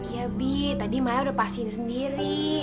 ya bi tadi maya udah pastiin sendiri